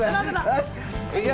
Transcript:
よしいくよ！